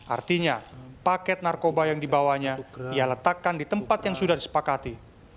artinya paket narkoba yang dibawanya ia letakkan di tempat yang sudah disepakati